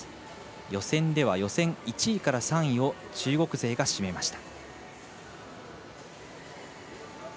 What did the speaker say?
予選では予選１位から３位を中国勢が占めました。